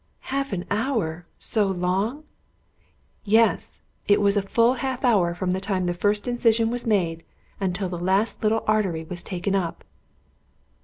"Half an hour! So long?" "Yes; it was a full half hour from the time the first incision was made until the last little artery was taken up."